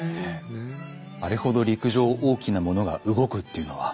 あれほど陸上を大きなものが動くっていうのは。